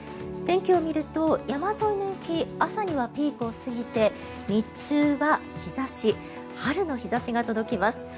天気を見ると山沿いの雪朝にはピークを過ぎて日中は日差し春の日差しが届きます。